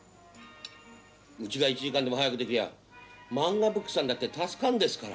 うちが１時間でも早くできりゃ「まんがブック」さんだって助かるんですから。